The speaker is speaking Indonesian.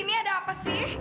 ini ada apa sih